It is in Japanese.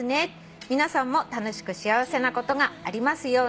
「皆さんも楽しく幸せなことがありますように」